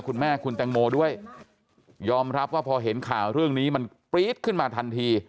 คุณแม่คุณแตงโมด้วยยอมรับว่าพอเห็นข่าวเรื่องนี้มันปรี๊ดขึ้นมาทันที